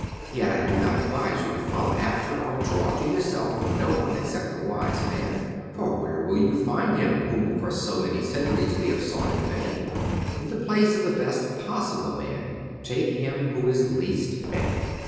Yet I do not advise you to follow after or draw to yourself no one except a wise man : for where will you find him whom for so many centuries we have sought in vain ? in the place of the best possible man take him who is least bad.